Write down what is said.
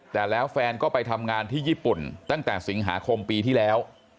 แต่แล้วแฟนก็ไปทำงานที่ญี่ปุ่นตั้งแต่สิงหาคมปีที่แล้ว